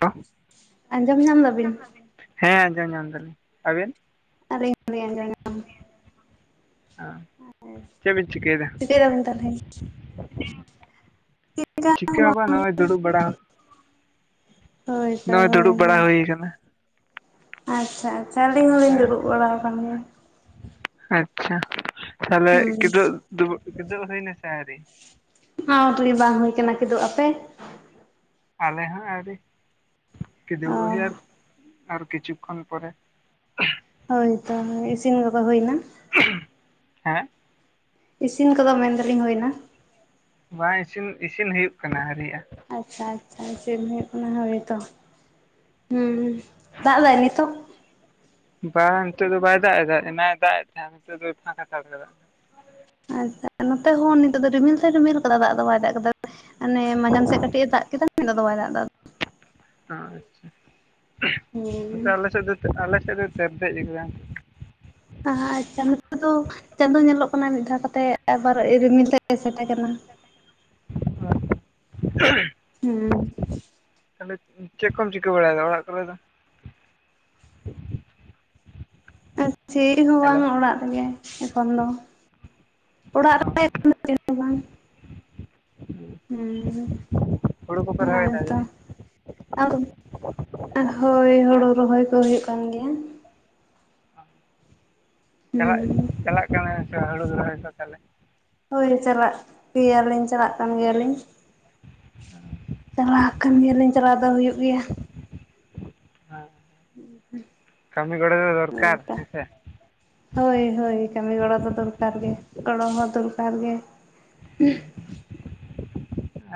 ᱦᱮᱸ, ᱟᱸᱡᱚᱢ ᱧᱟᱢ ᱫᱟᱵᱤᱱ ᱟᱸᱡᱚᱢᱮᱫᱟ ᱵᱤᱱ, ᱟᱸᱡᱚᱢ ᱧᱟᱢ ᱫᱟᱞᱤᱧ, ᱟᱵᱮᱱ? ᱟᱞᱤᱧ ᱦᱚᱸ ᱞᱤᱧ ᱟᱡᱚᱢ ᱧᱟᱢᱼᱼ [unintelligible] ᱪᱮᱫ ᱵᱤᱱ ᱪᱤᱠᱟᱹᱭᱮᱫᱟ ᱪᱤᱠᱟᱹᱭ ᱫᱟᱵᱮᱱ ᱛᱟᱦᱞᱮ? ᱪᱤᱠᱟᱹ ᱦᱚᱸ [unintelligible] ᱵᱟᱝ ᱱᱚᱜᱼᱚᱭ ᱫᱩᱲᱩᱵ ᱵᱟᱲᱟ ᱦᱳᱭ ᱛᱚ ᱱᱚᱜᱼᱚᱭ ᱦᱳᱭ ᱫᱩᱲᱩᱵ ᱵᱟᱲᱟ ᱦᱳᱭ᱾ ᱦᱩᱭ ᱟᱠᱟᱱᱟ ᱟᱪᱪᱷᱟ ᱟᱪᱪᱷᱟ, ᱟᱹᱞᱤᱧ ᱦᱚᱞᱤᱧ ᱦᱮᱸ ᱫᱩᱲᱩᱵ ᱵᱟᱲᱟᱣ ᱟᱠᱟᱱ ᱜᱮᱭᱟ᱾ ᱟᱪᱪᱷᱟ, ᱛᱟᱦᱚᱞᱮ ᱜᱮᱭᱟ᱾ ᱠᱮᱫᱳᱵᱽ ᱫᱚᱠᱮᱫᱳᱵᱽ ᱦᱳᱹᱭ ᱱᱟᱥᱮ ᱟᱣᱨᱤ? ᱟᱣᱨᱤ, ᱵᱟᱝ ᱦᱳᱭ ᱟᱠᱟᱱᱟ ᱠᱤᱫᱩᱜ, ᱟᱯᱮ? ᱟᱯᱮ ᱦᱚᱸ ᱟᱣᱨᱤ ᱚ ᱠᱤᱫᱳᱵᱚᱜ ᱦᱳᱭᱳᱜ-ᱟ᱾ ᱟᱨ ᱠᱤᱪᱩᱠᱷᱚᱱ ᱯᱚᱨᱮ᱾ ᱦᱳᱭ ᱛᱚ ᱦᱳᱭ ᱤᱥᱤᱱ ᱠᱚᱫᱚ ᱦᱳᱭ ᱮᱱᱟ? ᱦᱮᱸ? ᱤᱥᱤᱱ ᱠᱚᱫᱚ ᱢᱮᱱ ᱫᱟᱞᱤᱧ ᱦᱳᱭ ᱮᱱᱟ? ᱵᱟᱝ, ᱤᱥᱤᱱ ᱤᱥᱤᱱ ᱦᱩᱭᱩᱜ ᱠᱟᱱᱟ ᱦᱟᱹᱨᱤᱭᱟᱜ-ᱟ᱾ ᱟᱪᱪᱷᱟ ᱟᱪᱪᱷᱟ, ᱤᱥᱤᱱ ᱦᱳᱭᱳᱜ ᱠᱟᱱᱟ, ᱦᱳᱭ ᱛᱚ, ᱦᱩᱸ ᱫᱟᱜ ᱫᱟᱭ ᱱᱤᱛᱚᱜ? ᱵᱟᱝ ᱻᱱᱤᱛᱳᱜ ᱫᱚ ᱵᱟᱭ ᱫᱟᱜ ᱮᱫᱟ, ᱮᱱᱟᱝ ᱮ ᱫᱟᱜ ᱮᱫ ᱛᱟᱦᱮᱸᱫ ᱱᱤᱛᱚᱜ ᱫᱚᱭ ᱯᱷᱟᱸᱠᱟ ᱦᱟᱛᱟᱲ ᱠᱟᱫᱟ᱾ ᱟᱪᱪᱷᱟ, ᱱᱚᱛᱮ ᱦᱚᱸ ᱱᱤᱛᱚᱜ ᱫᱚ ᱨᱤᱢᱤᱞ ᱫᱚᱭ ᱨᱤᱢᱤᱞ ᱠᱟᱫᱟ ᱫᱟᱜ ᱫᱚ ᱵᱟᱭ ᱫᱟᱜ ᱠᱟᱫᱟ᱾ ᱟᱱᱮᱻ ᱢᱟᱸᱡᱟᱢ ᱥᱮᱫ ᱠᱟᱹᱴᱤᱡ ᱮ ᱫᱟᱜ ᱠᱮᱫᱟ, ᱟᱫᱚ ᱫᱚ ᱵᱟᱭ ᱫᱟᱜ ᱮᱫᱟ᱾ ᱦᱩᱸ ᱟᱪᱪᱷᱟ, ᱟᱞᱮ ᱥᱮᱫ ᱫᱚ ᱟᱞᱮ ᱥᱮᱫ ᱫᱚᱭ ᱛᱮᱨᱫᱮᱡ ᱠᱟᱫᱟ᱾ ᱟᱦᱟ ᱟᱪᱪᱷᱟ ᱱᱚᱛᱮᱫᱚ ᱪᱟᱸᱫᱳ ᱧᱮᱞᱚᱜ ᱠᱟᱱᱟᱭ ᱢᱤᱫ ᱫᱷᱟᱣ ᱠᱟᱛᱮᱫ, ᱟᱵᱟᱨ ᱨᱤᱢᱤᱞ ᱛᱮ ᱮᱥᱮᱴ ᱮ ᱠᱟᱱᱟ᱾ ᱦᱩᱸ [unintelligible] ᱛᱟᱦᱞᱮ ᱪᱮᱫ ᱠᱚᱢ ᱪᱤᱠᱟᱹ ᱵᱟᱲᱟᱭᱮᱫᱟ ᱚᱲᱟᱜ ᱠᱚᱨᱮ ᱫᱚ? ᱪᱤᱫ ᱦᱚᱸ ᱵᱟᱝ, ᱦᱮᱞᱳ ᱚᱲᱟᱜ ᱨᱮᱜᱮ ᱮᱠᱷᱚᱱ ᱫᱚ᱾ ᱚᱲᱟᱜ ᱚ ᱨᱮ [unintelligible] ᱦᱚᱸ ᱵᱟᱝ᱾ ᱦᱩᱸᱻ ᱦᱩᱲᱩ ᱠᱚᱯᱮ ᱨᱚᱦᱚᱭᱮᱫᱟ ᱚᱱᱟᱜᱮᱛᱚ᱾ ᱡᱟᱹᱱᱤᱡ ᱟᱫᱚ, ᱦᱳᱭᱻ ᱦᱳᱲᱳ ᱨᱚᱦᱚᱭ ᱠᱚ ᱦᱳᱭᱳᱜ ᱠᱟᱱ ᱜᱮᱭᱟ᱾ ᱦᱩᱸ ᱪᱟᱞᱟᱜ ᱪᱟᱞᱟᱜ ᱠᱟᱱᱟ ᱥᱮ ᱦᱩᱲᱩ ᱨᱚᱦᱚᱭ ᱠᱚ ᱛᱟᱦᱚᱞᱮ? ᱦᱳᱭ ᱪᱟᱞᱟᱜ-ᱜᱮᱭᱟᱞᱤᱧ ᱪᱟᱞᱟᱜ ᱠᱟᱱ ᱜᱮᱭᱟᱞᱤᱧ᱾ ᱪᱟᱞᱟᱣ ᱟᱠᱟᱱ ᱜᱮᱭᱟᱤᱧ ᱪᱟᱞᱟᱣ ᱫᱚ ᱦᱩᱭᱩᱜ ᱜᱮᱭᱟ᱾ ᱠᱟᱹᱢᱤ ᱜᱚᱲᱚ ᱫᱚ ᱦᱳᱭ ᱫᱚᱨᱠᱟᱨ ᱛᱚ ᱦᱮᱸᱥᱮ, ᱦᱳᱭ ᱦᱳᱭ, ᱠᱟᱹᱢᱤ ᱜᱚᱲᱟ ᱫᱚ ᱫᱚᱨᱠᱟᱨ ᱜᱮ, ᱜᱚᱲᱚ ᱦᱚᱸ ᱫᱚᱨᱠᱟᱨ ᱜᱮ᱾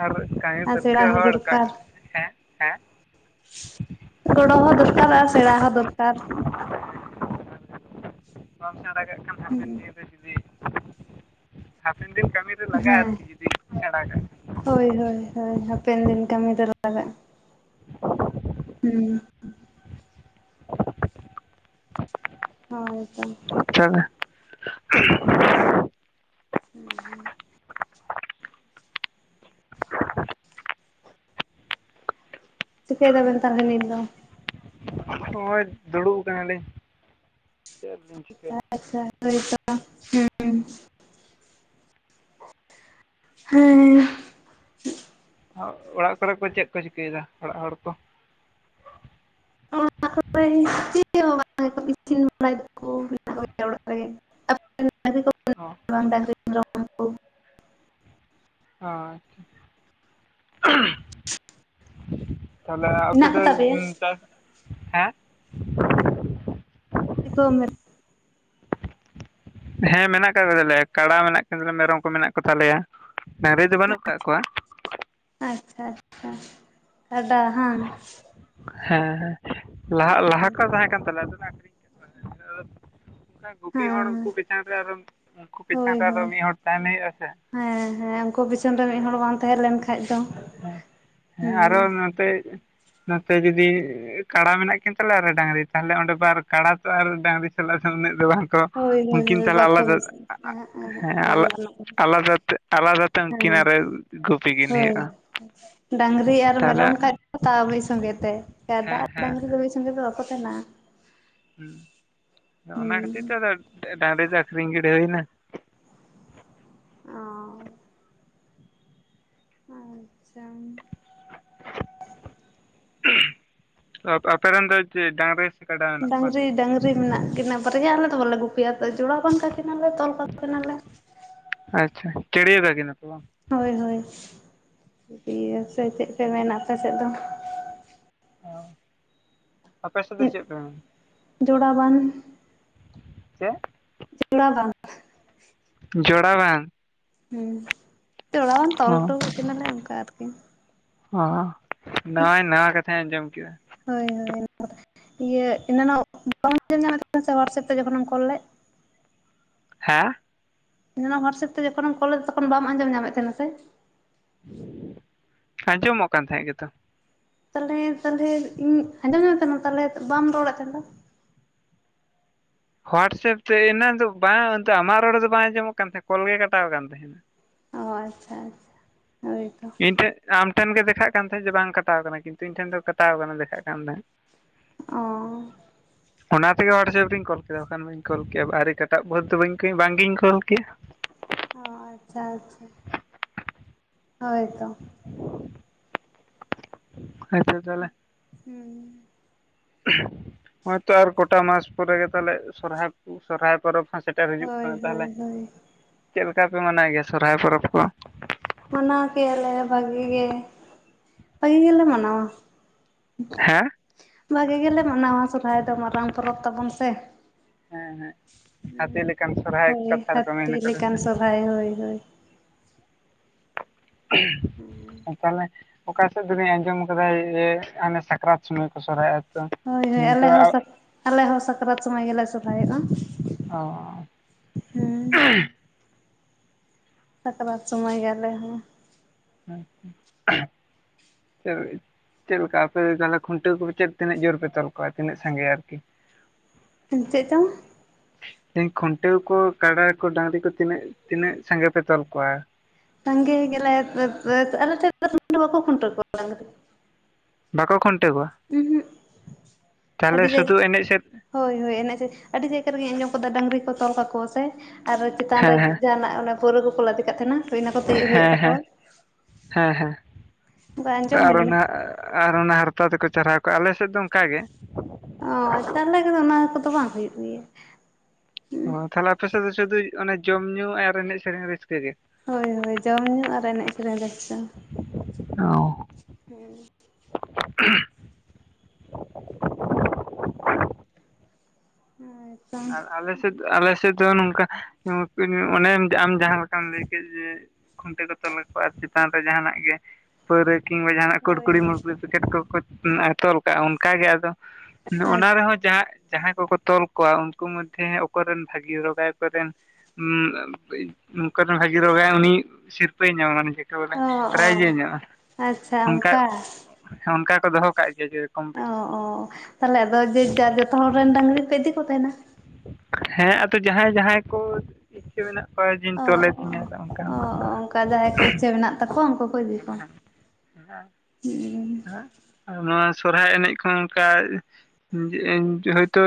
ᱟᱨ ᱠᱟᱢᱤ ᱟᱨ ᱥᱮᱬᱟ ᱯᱟᱹᱠᱟᱹᱣ ᱦᱚᱸ ᱦᱚᱲ ᱫᱚᱨᱠᱟᱨ ᱦᱮᱸ ᱦᱮᱸ ᱜᱚᱲᱚ ᱦᱚᱸ ᱫᱚᱨᱠᱟᱨ ᱟᱨ ᱥᱮᱬᱟ ᱦᱚᱸ ᱫᱚᱨᱠᱟᱨ᱾ ᱵᱟᱢ ᱥᱮᱬᱟ ᱠᱟᱜ ᱠᱷᱟᱱ ᱦᱟᱯᱮᱱ ᱦᱩᱸ ᱫᱤᱱ ᱨᱮ ᱡᱩᱫᱤ, ᱦᱟᱯᱮᱱ ᱫᱤᱱ ᱠᱟᱹᱢᱤ ᱢᱤᱨᱮ ᱞᱟᱜᱟᱜ-ᱟ ᱦᱮᱸ ᱟᱨᱠᱤ ᱡᱩᱫᱤ ᱥᱮᱬᱟ ᱠᱟᱜ ᱦᱳᱭ ᱦᱳᱭ ᱦᱳᱭ, ᱦᱟᱯᱮᱱ ᱫᱤᱱ ᱠᱟᱹᱢᱤ ᱫᱚ ᱞᱟᱜᱟᱜᱼᱟ ᱾ ᱦᱩᱸ᱾ ᱦᱚᱭ ᱛᱚ᱾ ᱟᱪᱪᱷᱟ᱾ ᱦᱩᱸ ᱦᱩᱸ᱾ ᱪᱤᱠᱟᱹᱭ ᱫᱟᱵᱮᱱ ᱛᱟᱞᱦᱮ ᱱᱤᱛ ᱫᱚ? ᱦᱚᱸᱜ-ᱚᱭ ᱫᱩᱲᱩᱵ ᱟᱠᱟᱱᱟᱞᱤᱧ᱾ ᱪᱮᱫ ᱟᱫᱚ ᱞᱤᱧ ᱪᱤᱠᱟᱹᱭᱟ? ᱟᱪᱪᱷᱟ, ᱦᱳᱭ ᱛᱚ᱾ ᱦᱮᱸ ᱦᱮᱸ᱾ ᱚ ᱚᱲᱟᱜ ᱠᱚᱨᱮ ᱠᱚ ᱪᱮᱫ ᱠᱚ ᱪᱤᱠᱟᱹᱭᱮᱫᱟ ᱚᱲᱟᱜ ᱦᱚᱲ ᱠᱚ? [inaudible] ᱪᱮᱫ ᱦᱚᱸ ᱵᱟᱝ [inaudible] ᱵᱟᱲᱟᱭ [inaudible] ᱠᱚᱜᱮᱭᱟ ᱚᱲᱟᱜ ᱨᱮᱜᱮ ᱚ [inaudible] ᱠᱚ ᱟᱪᱪᱷᱟ᱾ ᱛᱟᱦᱚᱞᱮ ᱚᱯᱮ ᱢᱮᱱᱟᱜ ᱫᱚ ᱠᱚᱛᱟ ᱯᱮᱭᱟ ᱩᱸ ᱪᱟᱥ, ᱦᱮᱸ? [inaudible] ᱦᱮᱸ ᱢᱮᱱᱟᱜ ᱟᱠᱟᱫ ᱠᱚ ᱫᱟᱞᱮᱭᱟ, ᱠᱟᱰᱟ ᱢᱮᱱᱟᱜ ᱠᱤᱱ ᱛᱟᱞᱮᱭᱟ, ᱢᱮᱨᱚᱢ ᱠᱚ ᱢᱮᱱᱟᱜ ᱠᱚ ᱛᱟᱞᱮᱭᱟ, ᱰᱟᱹᱝᱨᱤ ᱫᱚ ᱵᱟᱹᱱᱩᱜ ᱠᱟᱜ ᱟᱪᱪᱷᱟ, ᱠᱚᱣᱟ ᱟᱪᱪᱷᱟ ᱟᱪᱪᱷᱟ, ᱠᱟᱰᱟ ᱦᱟᱸ᱾ ᱦᱮᱸ ᱦᱮᱸ ᱞᱟᱦᱟ ᱞᱟᱦᱟ ᱠᱚ ᱛᱟᱦᱮᱸ ᱠᱟᱱ ᱛᱟᱞᱮᱭᱟ, ᱟᱫᱚᱞᱮ [inaudible] [inaudible] ᱜᱩᱯᱤ ᱦᱚᱲ ᱦᱮᱸ ᱩᱱᱠᱩ ᱯᱤᱪᱷᱟᱱ ᱨᱮ ᱟᱨᱚ ᱩᱱᱠᱩ ᱯᱤᱪᱷᱟᱱ ᱦᱳᱭ ᱨᱮ ᱟᱨᱚ ᱦᱳᱭ ᱢᱤᱫ ᱦᱚᱲ ᱛᱟᱦᱮᱱ ᱦᱩᱭᱩᱜᱼᱟ ᱥᱮ᱾ ᱦᱮᱸ ᱦᱮᱸ ᱩᱱᱠᱩ ᱯᱤᱪᱷᱚᱱ ᱨᱮ ᱢᱤᱫ ᱦᱚᱲᱚᱲ ᱵᱟᱝ ᱛᱟᱦᱮᱸ ᱞᱮᱱᱠ ᱦᱮᱸ ᱦᱮᱸ, ᱦᱮᱸ ᱟᱨᱚ ᱱᱚᱛᱮ ᱱᱚᱛᱮ ᱡᱩᱫᱤ ᱠᱟᱲᱟ ᱢᱮᱱᱟᱜ ᱠᱤᱱ ᱛᱟᱞᱮᱭᱟ ᱟᱨᱚ ᱰᱟᱹᱝᱨᱤ ᱛᱟᱦᱞᱮ ᱚᱸᱰᱮ ᱵᱟᱨ ᱠᱟᱲᱟ ᱛᱚ ᱟᱨ ᱰᱟᱹᱝᱨᱤ ᱥᱟᱞᱟᱜ ᱥᱮ ᱩᱱᱟᱹᱜ ᱫᱚ ᱵᱟᱝ ᱦᱳᱭ ᱦᱳᱭ ᱩᱱᱠᱤᱱ ᱦᱳᱭ ᱛᱟᱦᱚᱞᱮ ᱵᱟᱠᱚ ᱟᱞᱟᱫᱟ ᱢᱮᱥᱟᱜᱼᱟ ᱮᱦᱮᱸᱜ ᱮᱦᱮᱸᱜ ᱦᱮᱸ ᱵᱟᱝ ᱟᱞᱟ ᱜᱟᱱᱚᱜᱼᱟ ᱟᱞᱟᱫᱟ ᱛᱮ ᱟᱞᱟᱫᱟ ᱛᱮ ᱩᱱᱠᱤᱱ ᱟᱨᱚ ᱜᱩᱯᱤ ᱠᱤᱱ ᱦᱩᱭᱩᱜ᱾ ᱰᱟᱹᱝᱨᱤ ᱟᱨ ᱢᱮᱨᱚᱢ ᱠᱷᱟᱡ ᱛᱟᱣ ᱢᱤᱫ ᱥᱚᱸᱜᱮ ᱛᱮ, ᱠᱟᱰᱟ ᱦᱮᱸ ᱟᱨ ᱦᱮᱸ ᱰᱟᱹᱝᱨᱤ ᱫᱚ ᱦᱮᱸ ᱢᱤᱫ ᱥᱚ ᱥᱚᱸᱜᱮ ᱫᱚ ᱵᱟᱠᱚ ᱛᱟᱦᱮᱸᱱᱟ᱾ ᱦᱩᱸ ᱟᱫᱚ ᱚᱱᱟ ᱠᱷᱟᱹᱛᱤᱨ ᱛᱮ ᱦᱩᱸ ᱟᱫᱚ ᱰᱟᱹᱝᱨᱤ ᱫᱚ ᱟᱹᱠᱷᱨᱤᱧ ᱜᱤᱰᱤ ᱦᱩᱭᱱᱟ᱾ ᱚᱸ᱾ ᱟᱪᱪᱷᱟ᱾ ᱟᱯᱮ ᱟᱯᱮ ᱨᱮᱱ ᱫᱚ ᱪᱮᱫ ᱰᱟᱹᱝᱨᱤ ᱰᱟᱝᱨᱤ ᱰᱟᱹᱝᱨᱤ ᱢᱮᱱᱟᱜ ᱠᱤᱱᱟᱹ ᱵᱟᱨᱭᱟ ᱟᱞᱮ ᱫᱚ ᱵᱟᱞᱮ ᱜᱩᱯᱮᱭᱟ, ᱡᱚᱲᱟᱣ ᱵᱟᱱ ᱠᱟᱠᱤᱱᱟᱞᱮ ᱛᱚᱞ ᱠᱟᱠᱤᱱᱟᱞᱮ᱾ ᱟᱪᱪᱷᱟ, ᱪᱟᱹᱲᱭᱟᱹᱣ ᱠᱟᱠᱤᱱᱟ ᱯᱮ ᱵᱟᱝ? ᱦᱳᱭ ᱦᱳᱭ [inaudible] ᱥᱮ ᱪᱮᱫ ᱯᱮ ᱢᱮᱱᱟ ᱟᱯᱮ ᱥᱮᱫ ᱫᱚ? ᱚ ᱟᱯᱮ ᱥᱮᱫ ᱫᱚ ᱪᱮᱫ ᱯᱮ ᱢᱮᱱᱟ? ᱡᱚᱲᱟ ᱵᱟᱱ᱾ ᱪᱮᱫ? ᱡᱚᱲᱟ ᱵᱟᱝ᱾ ᱡᱚᱲᱟ ᱵᱟᱝ? ᱦᱩᱸ ᱡᱚᱲᱟ ᱵᱟᱱ, ᱛᱚᱞ ᱚ ᱦᱚᱴᱚ ᱠᱟᱠᱤᱱᱟᱞᱮ ᱚᱱᱠᱟ ᱟᱹᱨᱠᱤ᱾ ᱚ ᱱᱟᱣᱟᱭ ᱱᱟᱣᱟ ᱠᱟᱛᱷᱟᱧ ᱟᱸᱡᱚᱢ ᱠᱮᱫᱟ᱾ ᱦᱳᱭ ᱦᱳᱭ [inaudible] ᱤᱭᱟᱹ ᱮᱱᱟᱱᱚᱜ ᱵᱟᱢ ᱟᱸᱡᱚᱢ ᱧᱟᱢᱮᱫ ᱛᱟᱦᱮᱱᱟ ᱥᱮ ᱦᱚᱣᱟᱴᱥᱮᱯ ᱛᱮ ᱡᱚᱠᱷᱚᱱᱮᱢ ᱠᱚᱞ ᱞᱮᱫ? ᱦᱮᱸ? ᱮᱱᱟᱱᱚᱜ ᱦᱚᱣᱟᱴᱥᱮᱯ ᱛᱮ ᱡᱚᱠᱷᱚᱱᱮᱢ ᱠᱚᱞ ᱞᱮᱫ ᱛᱚᱠᱷᱚᱱ ᱵᱟᱢ ᱟᱸᱡᱚᱢ ᱧᱟᱢ ᱮᱫ ᱛᱟᱦᱮᱸᱱᱟ ᱥᱮ? ᱟᱸᱡᱚᱢᱚᱜ ᱠᱟᱱ ᱛᱟᱦᱮᱸᱫ ᱜᱮᱛᱚ᱾ ᱛᱟᱞᱦᱮ ᱛᱟᱞᱦᱮ ᱤᱧ ᱟᱸᱡᱚᱢ ᱧᱟᱢᱮᱫ ᱛᱟᱦᱮᱱᱟᱢ᱾ ᱛᱟᱞᱦᱮ ᱵᱟᱢ ᱨᱚᱲᱮᱫ ᱛᱟᱸᱦᱮᱡ ᱫᱚ? ᱦᱳᱣᱟᱴᱥᱮᱯ ᱛᱮ ᱮᱱᱟ ᱫᱚ ᱵᱟᱝ ᱟᱢᱟᱜ ᱨᱚᱲ ᱨᱮ ᱫᱚ ᱵᱟᱝ ᱟᱸᱡᱚᱢᱚᱜ ᱠᱟᱱ ᱛᱟᱦᱮᱸᱫ, ᱠᱚᱞ ᱜᱮ ᱠᱟᱴᱟᱣ ᱟᱠ ᱛᱟᱦᱮᱱᱟ᱾ ᱚᱻ ᱟᱪᱪᱷᱟ ᱟᱪᱪᱷᱟ᱾ ᱦᱳᱭᱛᱚ ᱤᱧ ᱴᱷᱮᱱ ᱟᱢ ᱴᱷᱮᱱ ᱜᱮ ᱫᱮᱠᱷᱟᱜ ᱠᱟᱱ ᱛᱟᱦᱮᱸᱫ ᱡᱮ ᱵᱟᱝ ᱠᱟᱴᱟᱣ ᱠᱟᱱᱟ, ᱠᱤᱱᱛᱩ ᱤᱧ ᱴᱷᱮᱱ ᱫᱚ ᱠᱟᱴᱟᱣ ᱟᱠᱟᱱᱟ ᱫᱮᱠᱷᱟᱜ ᱠᱟᱱ ᱛᱟᱦᱮᱸᱫ᱾ ᱚᱸ᱾ ᱚᱱᱟ ᱛᱮᱜᱮ ᱦᱳᱣᱟᱴᱥᱮᱯ ᱨᱮᱧ ᱠᱚᱞ ᱠᱮᱫᱟ, ᱵᱟᱠᱷᱟᱱ ᱵᱟᱹᱧ ᱠᱚᱞ ᱠᱮ ᱟᱨ ᱮᱴᱟᱜ ᱵᱟᱹᱫ ᱫᱚ ᱵᱟᱹᱧ ᱵᱟᱝ ᱜᱤᱧ ᱠᱚᱞ ᱠᱮᱭᱼᱟ ᱚ ᱟᱪᱪᱷᱟ ᱟᱪᱪᱷᱟ, ᱦᱳᱭ ᱛᱚ᱾ ᱟᱪᱪᱷᱚ ᱛᱟᱦᱚᱞᱮ ᱦᱩᱸ᱾ ᱦᱚᱸᱜᱚᱭ ᱛᱚ ᱟᱨ ᱠᱚᱴᱟ ᱢᱟᱥ ᱯᱚᱨᱮ ᱜᱮ ᱛᱟᱦᱚᱞᱮ ᱥᱚᱨᱦᱟᱭ ᱯᱚᱨᱚᱵᱽ ᱦᱚᱸ ᱥᱮᱴᱮᱨ ᱥᱮᱴᱮᱨ ᱦᱤᱡᱩᱜ ᱦᱳᱭ ᱦᱳᱭ ᱛᱟᱦᱚᱞᱮ ᱦᱳᱭ ᱪᱮᱫ ᱞᱮᱠᱟ ᱯᱮ ᱢᱟᱱᱟᱣ ᱜᱮᱭᱟ ᱥᱚᱦᱚᱨᱟᱭ ᱯᱚᱨᱚᱵ ᱠᱚ? ᱢᱟᱱᱟᱣ ᱠᱮᱭᱟ ᱞᱮ ᱵᱷᱟᱹᱜᱤ ᱜᱮ ᱵᱷᱟᱹᱜᱤ ᱜᱮᱞᱮ ᱢᱟᱱᱟᱣᱟ᱾ ᱦᱮᱸ ᱵᱷᱟᱹᱜᱤ ᱜᱮᱞᱮ ᱢᱟᱱᱟᱣᱟ, ᱥᱚᱦᱚᱨᱟᱭ ᱫᱚ ᱢᱟᱨᱟᱝ ᱯᱚᱨᱚᱵᱽ ᱛᱟᱵᱚᱱ ᱥᱮ᱾ ᱦᱮᱸ ᱦᱮᱸ ᱦᱩᱸ ᱦᱟᱹᱛᱤ ᱞᱮᱠᱟᱱ ᱥᱚᱨᱦᱟᱭ ᱠᱟᱛᱷᱟ ᱨᱮᱠᱚ ᱢᱮᱱ ᱠᱟᱫᱟ ᱥᱮ᱾ ᱦᱟᱭ ᱦᱳᱭ ᱦᱳᱭ ᱾ [unintelligible] ᱛᱟᱞᱮ ᱾ ᱚᱠᱟ ᱥᱮᱫ ᱫᱚᱞᱤᱧ ᱟᱸᱡᱚᱢ ᱟᱠᱟᱫᱟ ᱤᱭᱮ ᱟᱱᱮ ᱥᱟᱠᱨᱟᱛ ᱥᱚᱢᱚᱭ ᱠᱚ ᱥᱚᱨᱦᱟᱭᱚᱜᱼᱟ ᱾ ᱦᱳᱭ ᱦᱳᱭ ᱟᱞᱮ ᱦᱚᱸ ᱥᱟᱠᱨᱟᱛ ᱥᱚᱢᱚᱭ ᱜᱮᱞᱮ ᱥᱚᱨᱦᱟᱭᱚᱜᱼᱟ᱾ ᱚ ᱦᱮᱸ [unintelligible] ᱥᱟᱠᱨᱟᱛ ᱥᱚᱢᱚᱭ ᱜᱮ ᱟᱞᱮ ᱦᱚᱸ ᱾ ᱟᱪᱪᱷᱟ [unintelligible] ᱪᱮᱫᱞᱮᱠᱟ ᱟᱯᱮ ᱫᱚ ᱛᱟᱞᱦᱮ ᱠᱷᱩᱱᱴᱟᱹᱣ ᱠᱚ ᱪᱮᱜ ᱛᱤᱱᱟᱹᱜ ᱡᱳᱨ ᱯᱮ ᱛᱚᱞ ᱠᱚᱣᱟ ᱛᱤᱱᱟᱹᱜ ᱥᱟᱸᱜᱮ ᱟᱨᱠᱤ? ᱪᱮᱜ ᱪᱚᱝ ᱾ ᱫᱤᱧ ᱠᱷᱩᱱᱴᱟᱹᱣ ᱠᱚ ᱠᱟᱰᱟ ᱠᱚ ᱰᱟᱺᱝᱨᱤ ᱠᱚ ᱛᱤᱱᱟᱹᱜ ᱛᱤᱱᱟᱹᱜ ᱥᱟᱸᱜᱮ ᱯᱮ ᱛᱚᱞ ᱠᱚᱣᱟ ᱾ ᱥᱟᱸᱜᱮ ᱜᱮᱞᱮ ᱟᱞᱮ ᱟᱹᱫ ᱟᱞᱮ [unintelligible] ᱵᱟᱠᱚ ᱠᱷᱩᱱᱴᱟᱹ ᱠᱚᱣᱟ ᱾ ᱡᱟᱝ ᱠᱟᱴᱤᱡ ᱾ ᱵᱟᱠᱚ ᱠᱷᱩᱱᱴᱟᱹᱣ ᱠᱚᱣᱟ? ᱩᱸᱦᱩᱜ ᱛᱟᱞᱦᱮ ᱥᱩᱫᱩ ᱮᱱᱮᱡ ᱥᱮᱫ? ᱦᱳᱭ ᱦᱳᱭ ᱮᱱᱮᱡ ᱥᱮ ᱟᱹᱰᱤ ᱡᱟᱭᱜᱟ ᱨᱮᱜᱮᱧ ᱟᱸᱡᱚᱢ ᱠᱟᱫᱟ ᱰᱟᱺᱝᱨᱤ ᱠᱚ ᱛᱚᱞ ᱠᱟᱠᱚ ᱥᱮ? ᱟᱨ ᱪᱮᱛᱟᱱ ᱨᱮ ᱦᱮᱸ ᱦᱮᱸ ᱡᱟᱦᱟᱱᱟᱜ ᱚᱱᱟ ᱯᱟᱹᱣᱨᱟᱹ ᱠᱚᱠᱚ ᱞᱟᱫᱮ ᱠᱟᱜ ᱛᱟᱸᱦᱮᱱᱟ ᱾ ᱦᱮᱸ ᱦᱮᱸ ᱦᱮᱸ ᱦᱮᱸ ᱚᱱᱠᱟ ᱟᱸᱡᱚᱢ ᱦᱩᱭ ᱟᱨ ᱠᱟᱱᱟ ᱚᱱᱟ ᱟᱨ ᱚᱱᱟ ᱦᱟᱨᱛᱟ ᱛᱮᱠᱚ ᱪᱟᱨᱦᱟᱣ ᱠᱚᱜᱼᱟ, ᱟᱞᱮ ᱥᱮᱫ ᱫᱚ ᱚᱱᱠᱟ ᱜᱮ ᱾ ᱚ ᱛᱟᱞᱦᱮ ᱠᱚᱫᱚ ᱚᱱᱟ ᱠᱚᱫᱚ ᱵᱟᱝ ᱦᱩᱭᱩᱜ ᱜᱮᱭᱟ ᱾ ᱚ ᱛᱟᱦᱞᱮ ᱟᱯᱮ ᱥᱮᱫ ᱫᱚ ᱥᱩᱫᱷᱩᱡ ᱚᱱᱮ ᱡᱚᱢ ᱧᱩ ᱟᱨ ᱮᱱᱮᱡ ᱥᱮᱨᱮᱧ ᱨᱟᱹᱥᱠᱟᱹ ᱜᱮ? ᱦᱳᱭ ᱦᱳᱭ ᱡᱚᱢ ᱧᱩ ᱟᱨ ᱮᱱᱮᱡ ᱥᱮᱨᱮᱧ ᱨᱟᱹᱥᱠᱟ ᱾ ᱚ ᱦᱩᱸ ᱟᱪᱪᱷᱟ ᱟᱨ ᱟᱞᱮ ᱥᱮᱫ ᱟᱞᱮ ᱥᱮᱫ ᱫᱚ ᱱᱚᱝᱠᱟ ᱱᱩᱝᱠᱤᱱ ᱚᱱᱮᱢ ᱟᱢ ᱡᱟᱸᱦᱟ ᱞᱮᱠᱟᱢ ᱞᱟᱹᱭ ᱠᱮᱫ ᱡᱮ ᱠᱷᱩᱱᱴᱟᱹᱣ ᱠᱚ ᱛᱚᱞᱟ ᱠᱚᱣᱟ ᱟᱨ ᱪᱮᱛᱟᱱ ᱨᱮ ᱡᱟᱸᱦᱟᱱᱟᱜ ᱜᱮ ᱯᱟᱹᱨᱣᱟᱹ ᱠᱤᱝᱵᱟ ᱡᱟᱦᱟᱱᱟᱜ ᱦᱳᱭ ᱠᱩᱨᱼᱠᱩᱲᱤ ᱢᱩᱲᱼᱠᱩᱲᱤ ᱯᱮᱠᱮᱴ ᱠᱚᱠᱚ ᱛᱚᱞ ᱠᱟᱜᱼᱟ ᱚᱱᱠᱟᱜᱮ ᱟᱫᱚ ᱾ ᱦᱳᱭ ᱚᱱᱟ ᱨᱮᱸᱦᱚ ᱡᱟᱸᱦᱟ ᱡᱟᱦᱟᱸᱭ ᱠᱚᱠᱚ ᱛᱚᱞ ᱠᱚᱣᱟ ᱩᱱᱠᱩ ᱢᱚᱫᱽᱫᱷᱮ ᱚᱠᱚᱭ ᱨᱮᱱ ᱵᱷᱟᱹᱜᱤ ᱨᱚᱜᱽ ᱜᱟᱭ ᱚᱠᱚᱭ ᱨᱮᱱ [unintelligible] ᱱᱚᱝᱠᱟ ᱨᱮᱱ ᱵᱷᱟᱜᱤ ᱨᱚᱜᱽ ᱜᱟᱭ ᱩᱱᱤ ᱥᱤᱨᱯᱟᱹᱭ ᱧᱟᱢᱟ ᱢᱟᱱᱮ ᱪᱮᱫ ᱛᱟᱵᱚᱞᱮ ᱚ ᱚ ᱯᱨᱟᱭᱤᱡ ᱮ ᱧᱟᱢᱟ ᱚᱱᱠᱟ ᱚᱱᱠᱟ ᱠᱚ ᱫᱚᱦᱚ ᱠᱟᱜ ᱜᱮᱭᱟ ᱚ ᱠᱚᱢᱯᱤᱴᱤᱥᱮᱱ ᱚ ᱛᱟᱞᱦᱮ ᱟᱫᱚ ᱡᱮᱨ ᱡᱟᱨ ᱡᱚᱛᱚ ᱦᱚᱲ ᱨᱮᱱ ᱰᱟᱝᱨᱤ ᱯᱮ ᱤᱫᱤ ᱠᱚ ᱛᱟᱦᱮᱱᱟ ᱾ ᱦᱮᱸ ᱟᱫᱚ ᱡᱟᱸᱦᱟᱸᱭ ᱡᱟᱸᱦᱟᱸᱭ ᱠᱚ ᱾ ᱤᱪᱪᱷᱟᱹ ᱢᱮᱱᱟᱜ ᱠᱚᱣᱟ ᱡᱮᱧ ᱛᱚᱞ ᱛᱤᱧᱟ ᱚᱝᱠᱟ ᱚᱝᱠᱟ ᱠᱚ ᱾ [inaudible] ᱡᱟᱸᱦᱟᱸᱭ ᱠᱚ ᱤᱪᱪᱷᱟᱹ ᱢᱮᱱᱟᱜ ᱛᱟᱠᱚᱣᱟ ᱩᱱᱠᱩ ᱠᱚ ᱤᱫᱤ ᱠᱚᱣᱟ ᱾ ᱦᱮ ᱟᱨ ᱱᱚᱣᱟ ᱥᱚᱨᱦᱟᱭ ᱮᱱᱮᱡ ᱠᱚᱦᱚᱸ ᱚᱱᱠᱟ ᱾ ᱡᱮ ᱤᱧ ᱦᱚᱭᱛᱳ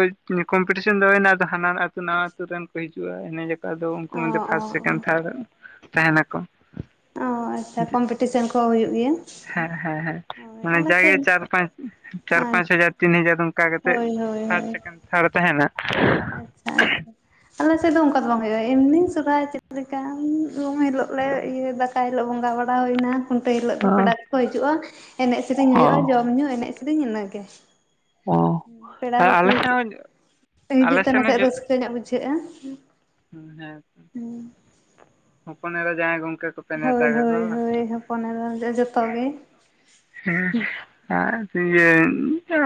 ᱠᱚᱢᱯᱤᱴᱤᱥᱚᱱ ᱫᱚ ᱦᱩᱭᱱᱟ ᱟᱫᱚ ᱦᱟᱱᱟᱱ ᱟᱹᱛᱩ ᱱᱟᱣᱟ ᱟᱹᱛᱩ ᱨᱮᱱ ᱠᱚ ᱦᱤᱡᱩᱜᱼᱟ ᱮᱱᱮᱡ ᱡᱟᱠᱩ᱾ ᱛᱟᱫᱚ ᱩᱱᱠᱩ ᱚ ᱢᱚᱫᱷᱮ ᱚ ᱯᱷᱟᱥᱴ ᱚ ᱥᱮᱠᱮᱱᱰ ᱛᱷᱟᱨ ᱛᱟᱦᱮ ᱱᱟᱠᱚ ᱾ ᱚ ᱟᱪᱪᱷᱟ ᱠᱚᱢᱯᱤᱴᱤᱥᱮᱱ ᱠᱚ ᱦᱩᱭᱩᱜ ᱜᱮᱭᱟ? ᱦᱮᱸ ᱦᱮᱸ ᱦᱮᱸ ᱦᱳᱭ ᱢᱟᱱᱮ ᱟᱞᱮ ᱡᱟᱜᱮ ᱥᱮᱫ ᱪᱟᱨ ᱯᱟᱸᱪ ᱪᱟᱨ ᱯᱟᱸᱪ ᱦᱟᱡᱟᱨ ᱛᱤᱱ ᱦᱟᱡᱟᱨ ᱚᱱᱠᱟ ᱠᱟᱛᱮᱜ ᱦᱳᱭ ᱦᱳᱭ ᱯᱷᱟᱥ ᱦᱳᱭ ᱥᱮᱠᱮᱱᱰ ᱛᱷᱟᱨ ᱛᱟᱦᱮᱱᱟ ᱾ [inaudible] ᱟᱞᱮ ᱥᱮᱫ ᱫᱚ ᱚᱱᱠᱟ ᱫᱚ ᱵᱟᱝ ᱦᱩᱭᱩᱜᱼᱟ, ᱮᱢᱱᱤ ᱥᱚᱨᱦᱟᱭ ᱪᱮᱫ ᱞᱮᱠᱟ ᱾ ᱩᱢ ᱦᱤᱞᱳᱜ ᱞᱮ ᱚ ᱤᱭᱟᱹ ᱫᱟᱠᱟᱭ ᱦᱤᱞᱳᱜ ᱵᱚᱸᱜᱟ ᱵᱟᱲᱟ ᱦᱩᱭᱮᱱᱟ ᱾ ᱠᱷᱩᱱᱴᱟᱹᱣ ᱦᱤᱞᱳᱜ ᱫᱚ ᱯᱮᱲᱟ ᱠᱚᱠᱚ ᱦᱤᱡᱩᱜᱼᱟ ᱮᱱᱮᱡ ᱥᱮᱨᱮᱧ ᱚ ᱦᱩᱭᱩᱜᱼᱟ ᱡᱚᱢ ᱧᱩ ᱮᱱᱮᱡ ᱥᱮᱨᱮᱧ ᱤᱱᱟᱹ ᱜᱮ ᱾ ᱚ ᱯᱮᱲᱟ ᱠᱚᱠᱚ ᱟᱞᱮ ᱥᱮᱫ ᱦᱤᱡᱩᱜ ᱦᱚᱸ ᱦᱤᱡᱩᱜ ᱟᱞᱮ ᱛᱮ ᱥᱮᱫ ᱦᱚᱸ ᱱᱟᱥᱮᱜ ᱨᱟᱹᱥᱠᱟᱹ ᱧᱚᱜ ᱵᱩᱡᱷᱟᱹᱜᱼᱟ ᱾ ᱦᱮᱸ, ᱦᱚᱯᱚᱱᱮᱨᱟ ᱡᱟᱣᱟᱭ ᱜᱚᱝᱠᱮ ᱠᱚ᱾ ᱦᱳᱭ ᱦᱳᱭ ᱦᱳᱭ ᱦᱚᱯᱚᱱ ᱮᱨᱟ ᱡᱚᱛᱚ ᱜᱮ ᱾ ᱦᱮᱸ ᱮᱸ ᱤᱭᱟᱹ ᱮᱸ ᱪᱮᱜ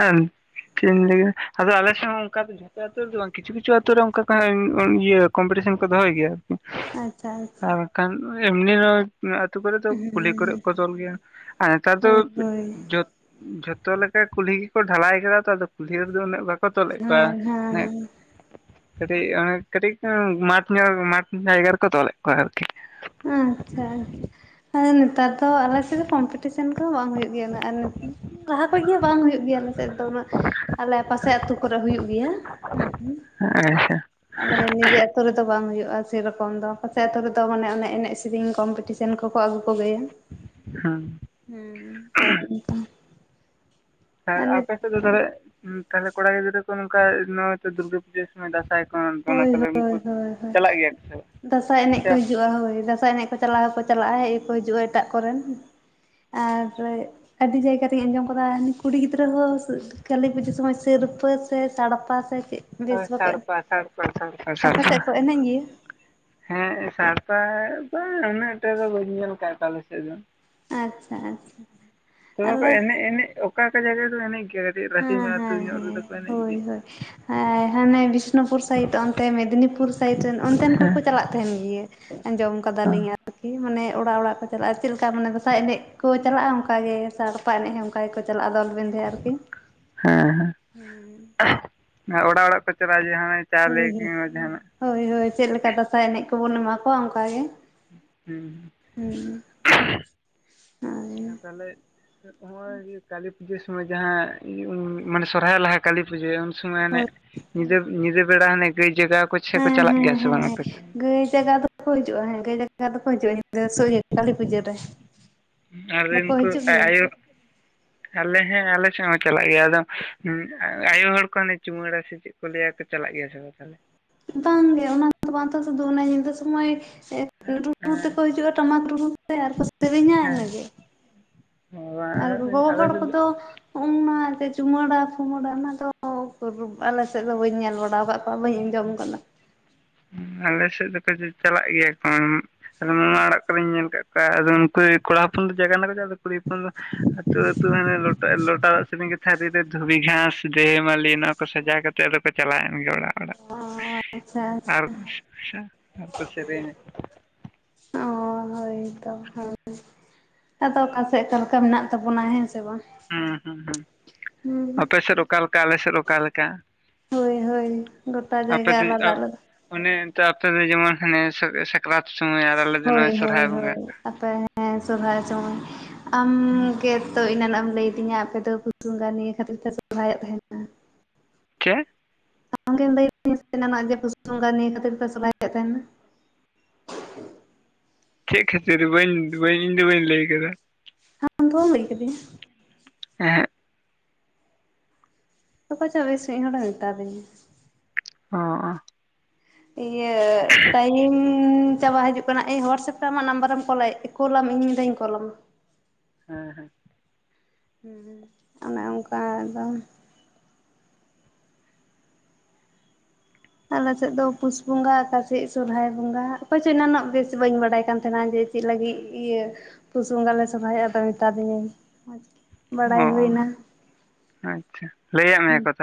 ᱮᱢ ᱞᱟ. ᱭ ᱠᱮᱫᱟ ᱟᱫᱚ ᱟᱞᱮ ᱥᱮᱜ ᱦᱚᱸ ᱚᱱᱠᱟ ᱡᱷᱚᱛᱚ ᱟᱛᱳ ᱨᱮᱫᱚ ᱵᱟᱝ ᱠᱤᱪᱷᱩ ᱠᱤᱪᱷᱩ ᱟᱛᱳ ᱨᱮ ᱚᱱᱠᱟ ᱠᱟᱸᱧ ᱤᱭᱟ. ᱠᱚᱢᱯᱤᱴᱤᱥᱚᱱ ᱠᱚ ᱫᱚᱦᱚᱭ ᱜᱮᱭᱟ᱾ ᱟᱪᱪᱷᱟ ᱟᱪᱪᱷᱟ᱾ ᱠᱷᱟᱱ ᱮᱢᱱᱤ ᱨᱮᱦᱚᱸ ᱟᱹᱛᱩ ᱠᱚᱨᱮ ᱫᱚ ᱠᱩᱞᱦᱤ ᱠᱚᱨᱮ ᱦᱩᱸ ᱠᱚ ᱛᱚᱞ ᱜᱮᱭᱟ ᱟᱨ ᱱᱮᱛᱟᱨ ᱫᱚ ᱦᱳᱭ ᱦᱳᱭ ᱡᱚᱛ ᱡᱚᱛᱚ ᱞᱮᱠᱟ ᱠᱩᱞᱦᱤ ᱜᱮᱠᱚ ᱰᱷᱟᱞᱟᱭ ᱠᱟᱫᱟ ᱛᱚ ᱟᱫᱚ ᱠᱩᱞᱦᱤ ᱨᱮᱫᱚ ᱩᱱᱟᱹᱜ ᱵᱟᱠ ᱠᱚ ᱛᱚᱞᱮᱜ ᱦᱮᱸ ᱠᱚᱣᱟ ᱦᱮᱸ ᱱᱮ ᱦᱮᱸ ᱠᱟᱴᱤᱡ ᱚᱱᱮ ᱠᱟᱴᱤᱡ ᱩᱸ ᱢᱟᱴᱷ ᱧᱚᱜ ᱢᱟᱴᱷ ᱡᱟᱭᱜᱟ ᱨᱮᱠᱚ ᱛᱚᱞᱮᱜ ᱠᱚᱣᱟ ᱟᱨᱠᱤ ᱾ ᱟᱪᱪᱷᱟ ᱟᱪᱪᱷᱟ ᱟᱨ ᱱᱮᱛᱟᱨ ᱫᱚ ᱟᱞ ᱥᱮᱫ ᱠᱚᱢᱯᱤᱴᱤᱥᱚᱱ ᱠᱚ ᱵᱟᱝ ᱦᱩᱭᱩᱜ ᱜᱮᱭᱟ ᱱᱟ ᱟᱨ ᱞᱟᱦᱟ ᱠᱷᱚᱡ ᱜᱮ ᱵᱟᱝ ᱦᱩᱭᱩᱜ ᱜᱮᱭᱟ ᱟᱞᱮᱥᱮᱫ ᱫᱚ ᱩᱱᱟᱹᱜ ᱟᱞᱮ ᱯᱟᱥᱮ ᱟᱛᱩ ᱠᱚᱨᱮ ᱦᱩᱭᱩᱜ ᱜᱮᱭᱟ ᱦᱩᱸ ᱾ ᱟᱪᱪᱷᱟ ᱾ ᱟᱞᱮ ᱱᱤᱡᱮ ᱟᱛᱳ ᱨᱮᱫᱚ ᱵᱟᱝ ᱦᱩᱭᱩᱜᱼᱟ ᱥᱮᱨᱚᱠᱚᱢ ᱫᱚ ᱯᱟᱥᱮ ᱟᱛᱳ ᱨᱮᱫᱚ ᱢᱟᱱᱮ ᱚᱱᱮ ᱮᱱᱮᱡ ᱥᱮᱨᱮᱧ ᱠᱚᱢᱯᱤᱴᱚᱱ ᱥᱮᱱ ᱠᱚᱠᱚ ᱟᱹᱜᱩ ᱠᱚᱜᱮᱭᱟ, ᱦᱩᱸ ᱦᱩᱸ ᱚᱱᱠᱟ ᱦᱮ ᱟᱯᱮ ᱥᱮᱫ ᱫᱚ ᱛᱟᱦᱞᱮ ᱩᱸ ᱛᱷᱟᱞᱮ ᱠᱚᱲᱟ ᱜᱤᱫᱽᱨᱟᱹ ᱠᱚ ᱱᱚᱝᱠᱟ ᱱᱚ ᱫᱩᱨᱜᱟᱹ ᱯᱩᱡᱟᱹ ᱚᱱᱟ ᱫᱟᱸᱥᱟᱭ ᱠᱷᱚᱱ ᱚᱱᱟ ᱦᱳᱭ ᱛᱚᱞ ᱞᱟᱜᱤᱜ ᱦᱳᱭ ᱠᱚ ᱦᱳᱭ ᱦᱳᱭ ᱪᱟᱞᱟᱜ ᱜᱮᱭᱟ ᱠᱚ ᱫᱟᱸᱥᱟᱭ ᱮᱱᱮᱡ ᱥᱮ ᱠᱚ ᱦᱤᱡᱩᱜᱼᱟ ᱦᱳᱭ ᱫᱟᱥᱟᱭ ᱮᱱᱮᱡ ᱪᱟᱞᱟᱣ ᱦᱚᱠᱚ ᱪᱟᱞᱟᱜᱼᱟ ᱦᱮᱡ ᱦᱚᱠᱚ ᱦᱤᱡᱩᱜᱼᱟ ᱮᱴᱟᱜ ᱠᱚᱨᱮᱱ ᱟᱨ ᱨᱮ ᱟᱹᱰᱤ ᱡᱟᱭᱜᱟ ᱨᱤᱧ ᱟᱸᱡᱚᱢ ᱠᱟᱫᱟ ᱠᱩᱲᱤ ᱜᱤᱫᱽᱨᱟᱹ ᱦᱚᱸ ᱥᱮ ᱠᱟᱞᱤ ᱯᱩᱡᱟᱹ ᱥᱚᱢᱚᱭ ᱥᱤᱨᱯᱟᱹ ᱥᱮ ᱥᱟᱲᱯᱟ ᱥᱮ ᱪᱮᱜ? ᱦᱳᱭ ᱥᱟᱲᱯᱟ ᱥᱟᱲᱯᱟ ᱥᱟᱲᱯᱟ ᱟᱯᱮ ᱥᱮᱫ ᱥᱟᱲᱯᱟ ᱠᱚ ᱾ ᱮᱱᱮᱡ ᱜᱮᱭᱟ? ᱦᱮᱸ ᱥᱟᱲᱯᱟ ᱫᱚ ᱩᱱᱟᱹᱜ ᱴᱟ ᱫᱚ ᱵᱟᱹᱧ ᱧᱮᱞ ᱠᱟᱜ ᱛᱟᱞᱮ ᱥᱮᱜ ᱫᱚ ᱟᱪᱪᱷᱟ ᱟᱪᱪᱷᱟ ᱾ ᱫᱚᱢᱮ ᱠᱚ ᱟᱞᱮ ᱮᱱᱮᱡ ᱮᱱᱮᱡ ᱚᱠᱟ ᱚᱠᱟ ᱡᱟᱭᱜᱟ ᱨᱮᱫᱚ ᱮᱱᱮᱡ ᱜᱮ ᱠᱟᱹᱴᱤᱡ ᱨᱟᱥᱤ ᱧᱚᱜ ᱟᱹᱛᱩ ᱧᱚᱜ ᱨᱮᱫᱚ ᱠᱚ ᱮᱱᱮᱡ ᱜᱮᱭᱟ ᱾ ᱮᱸ ᱦᱟᱱᱮ ᱵᱤᱥᱱᱩᱯᱩᱨ ᱥᱟᱭᱤᱰ ᱚᱱᱛᱮ ᱢᱮᱫᱽᱱᱤᱯᱩᱨ ᱥᱟᱭᱤᱰ ᱨᱮᱱ ᱚᱱᱛᱮᱱ ᱠᱚᱠᱚ ᱦᱮᱸ ᱪᱟᱞᱟᱜ ᱛᱮᱦᱮᱱ ᱜᱤᱭᱟ ᱟᱸᱡᱚᱢ ᱦᱮᱸ ᱠᱟᱫᱟᱞᱤᱧ ᱟᱨ ᱠᱤ ᱢᱟᱱᱮ ᱚᱲᱟᱜ ᱚᱲᱟᱜ ᱠᱚ ᱪᱟᱞᱟᱜᱼᱟ ᱪᱤᱜ ᱞᱮᱠᱟ ᱢᱟᱱᱮ ᱫᱟᱸᱥᱟᱭ ᱮᱱᱮᱡ ᱠᱩ ᱪᱟᱞᱟᱜᱼᱟ ᱚᱱᱠᱟ ᱜᱮ ᱥᱟᱲᱯᱟ ᱮᱱᱮᱡ ᱦᱚᱸ ᱚᱱᱠᱟ ᱜᱮᱠᱩ ᱪᱟᱞᱟᱜᱼᱟ ᱫᱚᱞᱵᱮᱞ ᱦᱮ ᱟᱨᱠᱤ ᱾ ᱦᱮᱸ ᱦᱮᱸ ᱦᱩᱸ ᱚᱲᱟᱜ ᱚᱲᱟᱜ ᱠᱚ ᱪᱟᱞᱟᱜᱼᱟ ᱡᱟᱦᱟᱭ ᱦᱳᱭ ᱪᱟᱣᱞᱮ ᱦᱳᱭ ᱠᱤᱱ ᱵᱟ ᱡᱟᱦᱟᱱᱟᱜ ᱦᱳᱭ ᱦᱳᱭ ᱪᱮᱜ ᱞᱮᱠᱟ ᱫᱟᱸᱥᱟᱭ ᱮᱱᱮᱡ ᱠᱚᱵᱚᱱ ᱮᱢᱟ ᱠᱚᱣᱟ ᱚᱱᱠᱟ ᱜᱮ ᱾ ᱦᱩᱸ ᱟᱨ ᱛᱟᱦᱞᱮ ᱪᱮᱜ ᱦᱚᱜ-ᱚᱭ ᱤᱭᱟᱹ ᱠᱟᱹᱞᱤ ᱯᱩᱡᱟᱹ ᱥᱚᱢᱚᱭ ᱡᱟᱦᱟᱸ ᱩᱸ ᱢᱟᱱᱮ ᱥᱚᱨᱦᱟᱭ ᱞᱟᱦᱟ ᱠᱟᱹᱞᱤ ᱯᱩᱡᱟᱹ ᱩᱱ ᱥᱚᱢᱚᱭ ᱦᱟᱱᱮ ᱦᱳᱭ ᱧᱤᱫᱟᱹ ᱧᱤᱫᱟᱹ ᱵᱮᱲᱟ ᱦᱟᱱᱮ ᱜᱟᱹᱭ ᱡᱟᱜᱟᱣ ᱠᱚ ᱥᱮ ᱠᱚ ᱦᱮᱸ ᱪᱟᱞᱟᱜ ᱦᱮᱸ ᱜᱮᱭᱟ ᱥᱮ ᱦᱮᱸ ᱵᱟᱝ ᱟᱯᱮ ᱥᱮᱫ? ᱜᱟᱹᱭ ᱡᱟᱜᱟᱣ ᱫᱚ ᱠᱚ ᱦᱤᱡᱩᱜᱼᱟ ᱾ ᱦᱮᱸ ᱜᱟᱹᱭ ᱡᱟᱜᱟᱣ ᱫᱚᱠᱚ ᱦᱤᱡᱩᱜᱼᱟ ᱧᱤᱫᱟᱹ ᱥᱚ ᱤᱭᱟᱹ ᱠᱟᱹᱞᱤ ᱯᱩᱡᱟᱹ ᱨᱮ ᱾ ᱠᱟᱨᱮᱴ ᱠᱩ ᱟᱡ ᱟᱭᱳ ᱟᱞᱮ ᱦᱮᱸ ᱟᱞᱮ ᱥᱮᱜ ᱦᱚᱸ ᱪᱟᱞᱟᱜ ᱜᱮᱭᱟ ᱟᱫᱚ ᱩᱸ ᱟᱭᱳ ᱦᱚᱲ ᱠᱚ ᱚᱱᱮ ᱪᱩᱢᱟᱹᱲᱟ ᱥᱮ ᱪᱮᱜ ᱠᱚ ᱞᱟᱹᱭᱟ ᱛᱚ ᱪᱟᱞᱟᱜ ᱜᱮᱭᱟ ᱥᱮ ᱵᱟ ᱛᱟᱦᱞᱮ? ᱵᱟᱝ ᱜᱮ ᱚᱱᱟ ᱫᱚ ᱵᱟᱝ ᱛᱚ ᱥᱩᱫᱷᱩ ᱚᱱᱮ ᱧᱤᱫᱟᱹ ᱥᱚᱢᱚᱭ ᱥᱮ ᱨᱩ ᱨᱩ ᱛᱮᱠᱚ ᱦᱮᱸ ᱦᱤᱡᱩᱜᱼᱟ ᱴᱟᱢᱟᱠ ᱨᱩ ᱛᱮ ᱟᱨ ᱠᱟ ᱥᱤᱨᱤᱧᱟ ᱤᱱᱟᱹ ᱦᱮᱸ ᱜᱮ ᱾ ᱟᱨ ᱜᱚᱜᱚ ᱟᱞᱮ ᱦᱚᱲ ᱥᱮᱫ ᱠᱚᱫᱚ ᱩᱱᱟ ᱡᱮ ᱪᱩᱢᱟᱹᱲᱟ ᱯᱷᱩᱢᱟᱹᱲᱟ ᱚᱱᱟ ᱫᱚ ᱚ ᱩᱠᱩᱨ ᱟᱞᱮ ᱥᱮᱜ ᱫᱚ ᱵᱟᱹᱧ ᱧᱮᱞ ᱵᱟᱲᱟᱣ ᱟᱠᱟᱜ ᱠᱚᱣᱟ ᱵᱟᱹᱧ ᱟᱸᱡᱚᱢ ᱠᱟᱫᱟ ᱾ ᱩᱸ ᱟᱞᱮ ᱥᱮᱜ ᱫᱚᱠᱚ ᱪᱟ ᱪᱟᱞᱟᱜ ᱜᱮᱭᱟ ᱠᱚ ᱢᱟᱢᱟ ᱚᱲᱟᱜ ᱠᱚᱨᱮᱧ ᱧᱮᱞ ᱠᱟᱜ ᱠᱚᱣᱟ ᱟᱫᱚ ᱱᱩᱠᱩ ᱠᱚᱲᱟ ᱦᱚᱯᱚᱱ ᱫᱚ ᱡᱟᱜᱟᱵᱱᱟ ᱠᱚ ᱪᱟᱜ-ᱟ ᱟᱫᱚ ᱠᱩᱲᱤ ᱦᱚᱯᱚᱱ ᱫᱚ ᱟᱹᱛᱩ ᱟᱹᱛᱩ ᱦᱟᱱᱮ ᱞᱚᱴᱟ ᱞᱚᱴᱟ ᱫᱟᱜ ᱥᱮᱯᱮᱧ ᱠᱟᱛᱮ ᱛᱷᱟᱹᱨᱤ ᱨᱮ ᱫᱷᱩᱵᱤ ᱜᱷᱟᱥ ᱫᱷᱮᱭ ᱢᱟᱞᱤ ᱚᱱᱟ ᱠᱚ ᱥᱟᱡᱟᱣ ᱠᱟᱛᱮ ᱟᱫᱚ ᱠᱚ ᱪᱟᱞᱟᱣᱮᱱ ᱜᱮ ᱚᱲᱟᱜ ᱚᱲᱟᱜ ᱚ ᱟᱪᱪᱷᱟ ᱟᱨ ᱟᱪᱪᱷᱟ ᱟᱪᱪᱷᱟ ᱟᱨ ᱠᱚ ᱥᱮᱨᱮᱧᱟ᱾ ᱚᱻ ᱦᱳᱭ ᱛᱚ ᱦᱳᱭ᱾ ᱟᱫᱚ ᱚᱠᱟᱥᱮᱫ ᱚᱠᱟ ᱞᱮᱠᱟ ᱢᱮᱱᱟᱜ ᱛᱟᱵᱚᱱᱟ ᱦᱮᱸ ᱥᱮ ᱵᱟᱝ᱾ ᱦᱩᱸ ᱦᱩᱸ ᱦᱩᱸ ᱦᱩᱸ ᱟᱯᱮ ᱥᱮᱫ ᱚᱠᱟ ᱞᱮᱠᱟ ᱟᱞᱮ ᱥᱮᱫ ᱚᱠᱟ ᱞᱮᱠᱟ ᱾ ᱦᱳᱭ ᱦᱳᱭ ᱜᱚᱴᱟ ᱡᱟᱭᱜᱟ ᱟᱞᱟᱫᱟ ᱟᱞᱟᱫᱟ᱾ ᱚᱱᱮ ᱚᱱᱛᱮ ᱟᱯᱮᱫᱚ ᱡᱮᱢᱚᱱ ᱦᱟᱱᱮ ᱥᱟ-ᱥᱟᱠᱨᱟᱛ ᱥᱚᱢᱚᱭ ᱟᱨ ᱟᱞᱮ ᱫᱚ ᱱᱚᱜ-ᱚᱭ ᱥᱚᱨᱦᱟᱭ ᱵᱚᱸᱜᱟ ᱾ ᱛᱟᱯᱚᱨ ᱦᱮᱸ ᱥᱚᱨᱦᱟᱭ ᱥᱚᱢᱚᱭ ᱟᱢᱜᱮᱛᱚ ᱮᱱᱟᱱᱚᱜ ᱮᱢ ᱞᱟᱹᱭᱟᱫᱤᱧᱟ ᱟᱯᱮ ᱛᱚ ᱯᱩᱥ ᱵᱚᱸᱜᱟ ᱱᱤᱭᱟᱹ ᱠᱷᱟᱹᱛᱤᱨ ᱛᱮ ᱥᱚᱨᱦᱟᱭᱚᱜ ᱛᱟᱦᱮᱱ ᱪᱮᱫ? ᱟᱢ ᱜᱮᱢ ᱞᱟᱹᱭᱮᱫ ᱛᱟᱦᱮᱱᱟ ᱥᱮ ᱮᱱᱟᱱᱚᱜ ᱡᱮ ᱯᱩᱥ ᱵᱚᱸᱜᱟ ᱱᱤᱭᱟᱹ ᱠᱷᱟᱹᱛᱤᱨ ᱛᱮ ᱥᱚᱨᱦᱟᱭᱚᱜ ᱛᱟᱦᱮᱱᱟ ᱾ ᱪᱮᱫ ᱠᱷᱟᱹᱛᱤᱨ ᱵᱟᱹᱧ ᱵᱟᱹᱧ ᱤᱧᱫᱚ ᱵᱟᱹᱧ ᱞᱟᱹᱭ ᱠᱟᱫᱟ ᱾ ᱟᱢ ᱫᱚ ᱵᱟᱢ ᱞᱟᱹᱭ ᱠᱟᱫᱤᱧᱟ? ᱮᱸᱦᱮᱸᱜ᱾ ᱚᱠᱚᱭ ᱪᱚ ᱵᱮᱥ ᱢᱤᱫ ᱦᱚᱲᱮ ᱢᱮᱛᱟᱫᱤᱧᱟ᱾ ᱚᱻ ᱤᱭᱟᱹ ᱴᱟᱭᱤᱢ ᱩᱸ ᱪᱟᱵᱟ ᱦᱟᱹᱡᱩᱜ ᱠᱟᱱᱟ ᱮ ᱦᱳᱣᱟᱴᱥᱮᱯ ᱛᱮ ᱟᱢᱟᱜ ᱱᱟᱢᱵᱟᱨᱮᱢ ᱠᱚᱞᱮᱫ ᱠᱩᱞᱟᱢ ᱤᱧ ᱢᱤᱫᱷᱟᱣ ᱤᱧ ᱫᱟᱹᱧ ᱠᱚᱞᱟᱢᱟ ᱾ ᱦᱮᱸ ᱦᱮᱸ᱾ ᱦᱮᱸ ᱦᱮᱸ ᱚᱱᱮ ᱚᱱᱠᱟ ᱟᱫᱚ ᱟᱞᱮ ᱥᱮᱫ ᱫᱚ ᱯᱩᱥ ᱵᱚᱸᱜᱟ ᱚᱠᱟᱥᱮᱜ ᱥᱚᱨᱦᱟᱭ ᱵᱚᱸᱜᱟ ᱚᱠᱚᱭ ᱪᱚ ᱮᱱᱟᱱᱚᱜ ᱵᱮᱥ ᱵᱟᱹᱧ ᱵᱟᱰᱟᱭ ᱠᱟᱱ ᱛᱟᱦᱮᱱᱟ ᱡᱮ ᱪᱮᱫ ᱞᱟᱹᱜᱤᱫ ᱤᱭᱟᱹ ᱯᱩᱥ ᱵᱚᱸᱜᱟ ᱞᱮ ᱥᱚᱦᱚᱨᱟᱭᱚᱜᱼᱟ ᱟᱫᱚ ᱢᱮᱛᱟ ᱫᱤᱧᱟᱭ ᱾ ᱚ ᱟᱪᱪᱷᱟ ᱞᱟᱹᱭᱟᱜ ᱦᱩᱸ ᱢᱮᱭᱟ ᱠᱚ ᱛᱟᱦᱚᱞᱮ᱾